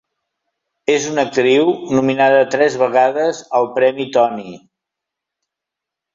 És una actriu nominada tres vegades al Premi Tony.